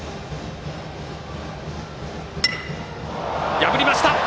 破りました！